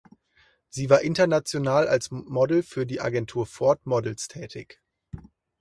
Sie war international als Modell für die Agentur Ford Models tätig.